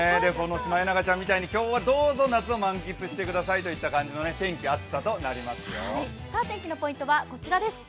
シマエナガちゃんみたいに今日は、どうぞ夏を満喫してくださいといった天気のポイントはこちらです。